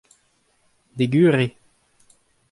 Dek eur eo.